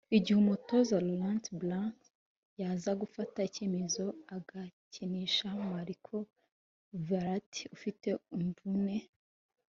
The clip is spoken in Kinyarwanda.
Igihe Umutoza Laurent Blanc yaza gufata icyemezo agakinisha Marco Verrati ufite imvune